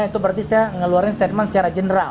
itu berarti saya ngeluarin statement secara general